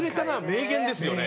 名言です。